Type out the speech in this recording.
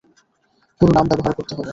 পুরো নাম ব্যবহার করতে হবে।